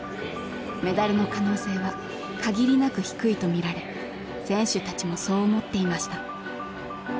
メダルの可能性は限りなく低いと見られ選手たちもそう思っていました。